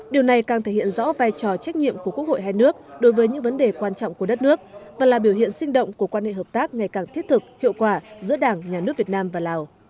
điều này càng thể hiện rõ vai trò trách nhiệm của quốc hội hai nước đối với những vấn đề quan trọng của đất nước và là biểu hiện sinh động của quan hệ hợp tác ngày càng thiết thực hiệu quả giữa đảng nhà nước việt nam và lào